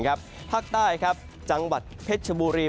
ภาคใต้จังหวัดเพชรชบุรี